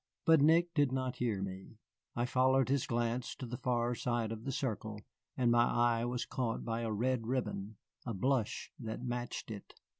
But Nick did not hear me. I followed his glance to the far side of the circle, and my eye was caught by a red ribbon, a blush that matched it.